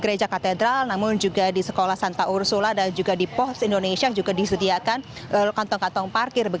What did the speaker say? gereja katedral namun juga di sekolah santa ursula dan juga di pos indonesia juga disediakan kantong kantong parkir